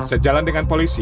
tersebut akan menangis